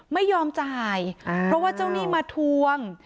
ไม่ยอมจ่ายเพราะว่าเจ้าหนี้มาทวง